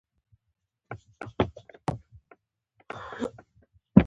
له آدمه تر دې دمه په قرنونو